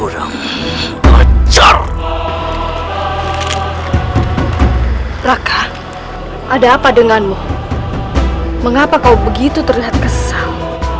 rangka ada apa denganmu mengapa kau begitu terlihat kesal